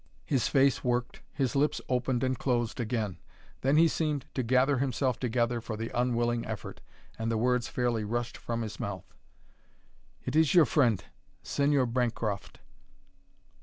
His face worked, his lips opened and closed again. Then he seemed to gather himself together for the unwilling effort, and the words fairly rushed from his mouth: "It is your friend, Señor Bancroft."